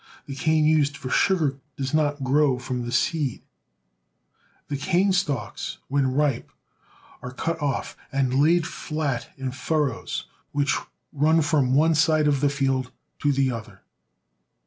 The cane used for sugar does not grow from the seed. Cutting the Cane. 146 THE SOUTH. The cane stalks when ripe are cut off, and laid flat in fur rows which run from one side of the field to the other.